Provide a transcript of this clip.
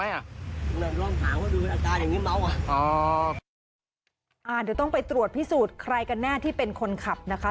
เดี๋ยวต้องไปตรวจพิสูจน์ใครกันแน่ที่เป็นคนขับนะคะ